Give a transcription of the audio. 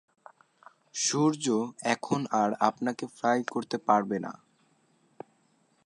সূর্য এখন আর আপনাকে ফ্রাই করতে পারবে না।